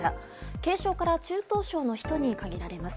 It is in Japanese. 軽症から中等症の人に限られます。